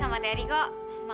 aku mau datang keavoiran